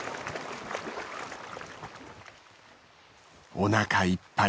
おなかいっぱい。